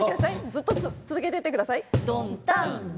ずっと続けてください。